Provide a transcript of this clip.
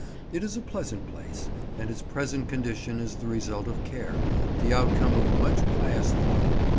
It is a pleasant place, and its present condition is the result of care, the outcome of much pious thought.